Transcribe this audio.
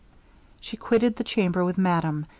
She quitted the chamber with madame.